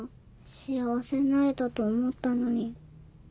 幸せになれたと思ったのに。